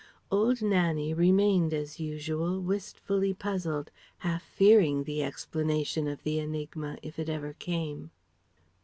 Old Nannie remained as usual wistfully puzzled, half fearing the explanation of the enigma if it ever came.